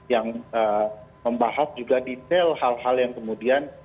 yang membahas juga detail hal hal yang kemudian